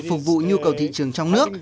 phục vụ nhu cầu thị trường trong nước